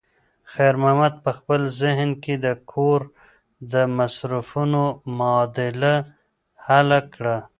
خیر محمد په خپل ذهن کې د کور د مصرفونو معادله حل کړه.